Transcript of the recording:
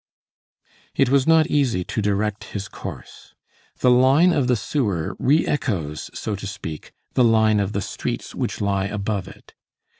It was not easy to direct his course. The line of the sewer re echoes, so to speak, the line of the streets which lie above it.